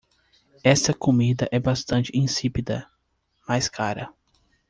Esta comida é bastante insípida, mas cara.